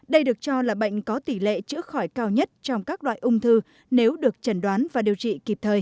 đây được cho là bệnh có tỷ lệ chữa khỏi cao nhất trong các loại ung thư nếu được trần đoán và điều trị kịp thời